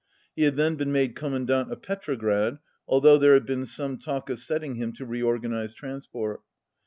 He had then been made Commandant of Petrograd, although there had been some talk of setting him to reorganize transport.